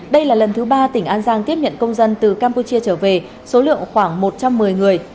đây là lần thứ ba tỉnh an giang tiếp nhận công dân từ campuchia trở về số lượng khoảng một trăm một mươi người